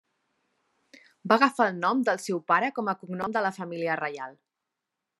Va agafar el nom del seu pare com a cognom de la família reial.